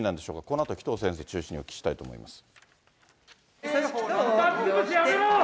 このあと、紀藤先生中心にお聞きしたいと思います。